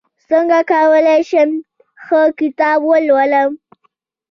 څنګه کولی شم ښه کتاب ولولم